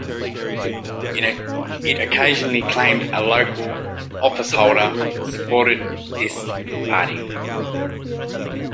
It occasionally claimed a local officeholder supported this party.